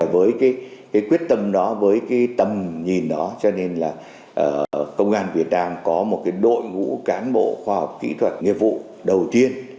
với cái quyết tâm đó với cái tầm nhìn đó cho nên là công an việt nam có một đội ngũ cán bộ khoa học kỹ thuật nghiệp vụ đầu tiên